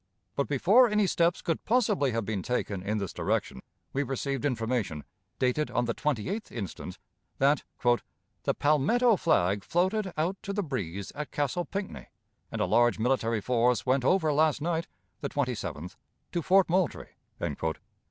But, before any steps could possibly have been taken in this direction, we received information, dated on the 28th instant, that "the Palmetto flag floated out to the breeze at Castle Pinckney, and a large military force went over last night (the 27th) to Fort Moultrie."